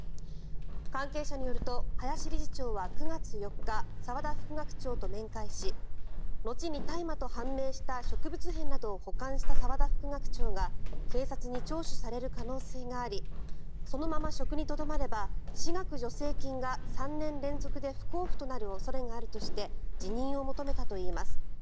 関係者によると林理事長は９月４日澤田副学長と面会し後に大麻と判明した植物片などを保管した澤田副学長が警察に聴取される可能性がありそのまま職にとどまれば私学助成金が３年連続で不交付となる恐れがあるとして辞任を求めたといいます。